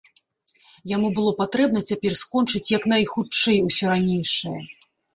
Яму было патрэбна цяпер скончыць як найхутчэй усё ранейшае.